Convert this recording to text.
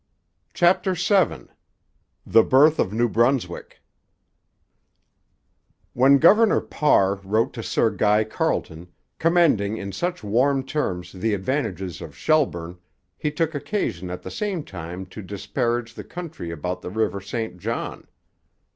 CHAPTER VII THE BIRTH OF NEW BRUNSWICK When Governor Parr wrote to Sir Guy Carleton, commending in such warm terms the advantages of Shelburne, he took occasion at the same time to disparage the country about the river St John.